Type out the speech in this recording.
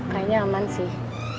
kayaknya aman sih